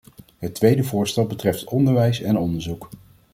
Het tweede voorstel betreft onderwijs en onderzoek.